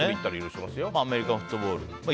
アメリカンフットボールもね。